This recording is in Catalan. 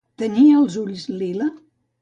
Tenia els ulls lila?